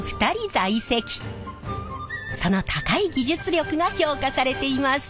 その高い技術力が評価されています。